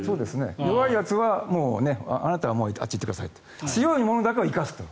弱いやつは、あなたはもうあっち行ってください強いものだけを生かすと。